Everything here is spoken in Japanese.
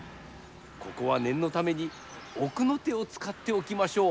ここはねんのためにおくの手をつかっておきましょう。